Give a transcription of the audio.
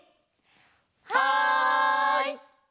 はい！